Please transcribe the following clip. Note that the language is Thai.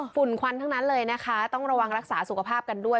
ควันทั้งนั้นเลยนะคะต้องระวังรักษาสุขภาพกันด้วย